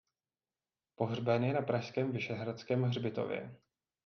Pohřben je na pražském Vyšehradském hřbitově.